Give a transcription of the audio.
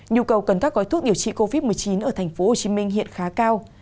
nhu cầu cần các gói thuốc điều trị covid một mươi chín ở tp hcm hiện khá cao